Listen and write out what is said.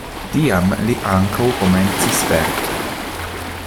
Tiam li ankaŭ komencis verki.